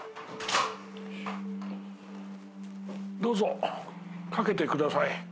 どうぞ掛けてください。